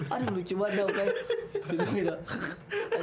aduh lucu banget dong